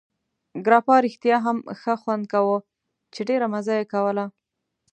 ګراپا رښتیا هم ښه خوند کاوه، چې ډېره مزه یې کوله.